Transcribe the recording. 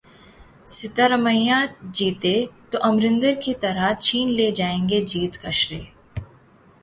सिद्धारमैया जीते तो अमरिंदर की तरह छीन ले जाएंगे जीत का श्रेय!